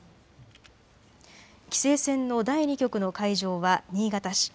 棋聖戦の第２局の会場は新潟市。